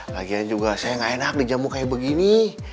lagian juga saya ga enak di jamu kaya begini